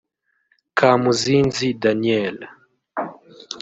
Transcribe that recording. Kamuzinzi Daniel